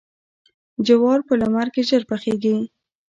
جوار په لمر کې ژر پخیږي.